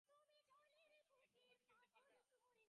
এখন হয়তো চিনতেই পারবে না।